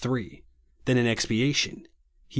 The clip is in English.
3), than an expiation (Heb.